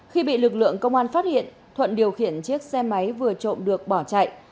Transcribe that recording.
khi bị lực lượng công an phát hiện thuận điều khiển chiếc xe máy vừa trộm được bỏ chạy